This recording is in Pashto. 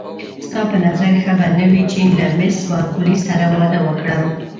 ستا په نظر ښه به نه وي چې له مېس بارکلي سره واده وکړم.